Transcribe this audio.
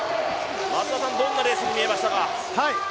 どんなレースに見えましたか？